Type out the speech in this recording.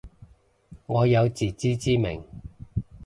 我有自知之明